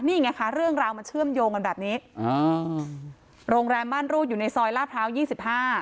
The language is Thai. นี่ไงคะเรื่องราวมันเชื่อมโยงกันแบบนี้อ่าโรงแรมม่านรูดอยู่ในซอยลาดพร้าวยี่สิบห้า